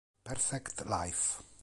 Perfect Life